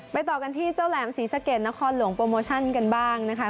ต่อกันที่เจ้าแหลมศรีสะเกดนครหลวงโปรโมชั่นกันบ้างนะคะ